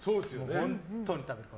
本当に食べる。